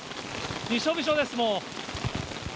びしょびしょです、もう。